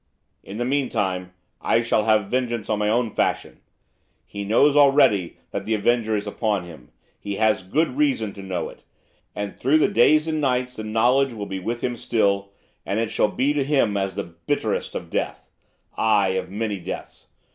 'In the meantime I will have vengeance in my own fashion. He knows already that the avenger is upon him, he has good reason to know it. And through the days and the nights the knowledge shall be with him still, and it shall be to him as the bitterness of death, aye, of many deaths.